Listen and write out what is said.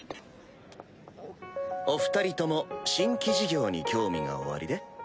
お二人とも新規事業に興味がおありで？